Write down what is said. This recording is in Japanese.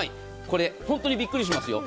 本当にびっくりしますよ。